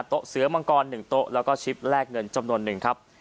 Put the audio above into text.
เสื้อมังกร๑โต๊ะแล้วก็ชิปแลกเงินจำนวนหนึ่งครับ